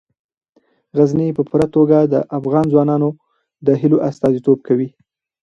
غزني په پوره توګه د افغان ځوانانو د هیلو استازیتوب کوي.